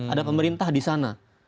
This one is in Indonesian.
ada pemerintah di sana